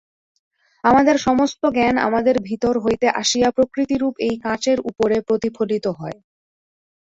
আমাদের সমস্ত জ্ঞান আমাদের ভিতর হইতে আসিয়া প্রকৃতিরূপ এই কাঁচের উপরে প্রতিফলিত হয়।